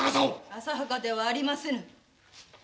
浅はかではありませぬ。